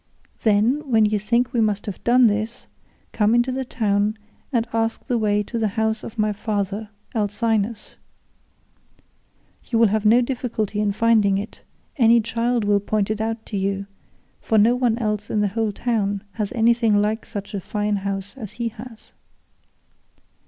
Then, when you think we must have done this, come into the town and ask the way to the house of my father Alcinous. You will have no difficulty in finding it; any child will point it out to you, for no one else in the whole town has anything like such a fine house as he has.